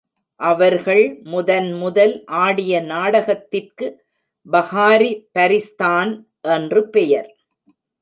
அவர்கள் முதன் முதல் ஆடிய நாடகத்திற்கு பஹாரி பரிஸ்தான் என்று பெயர்.